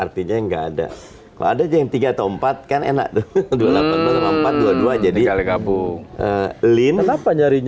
artinya nggak bisa nyeloni sendiri